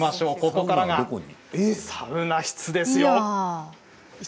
ここからがサウナ室ですよ。